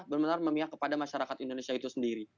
benar benar memihak kepada masyarakat indonesia itu sendiri